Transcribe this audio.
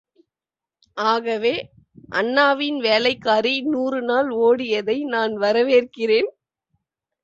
ஆகவே அண்ணாவின் வேலைக்காரி நூறு நாள் ஓடியதை நான் வரவேற்கிறேன்.